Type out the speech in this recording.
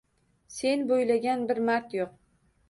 Sen boʻylagan bir mard yoʻq.